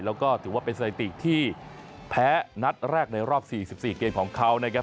แล้วก็ถือว่าเป็นสถิติที่แพ้นัดแรกในรอบ๔๔เกมของเขานะครับ